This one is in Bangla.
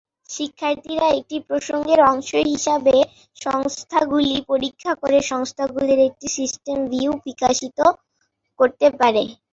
শিক্ষার্থীরা একটি প্রসঙ্গের অংশ হিসাবে সংস্থাগুলি পরীক্ষা করে সংস্থাগুলির একটি সিস্টেম ভিউ বিকশিত করতে পারে।